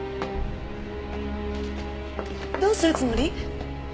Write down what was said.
どうするつもり？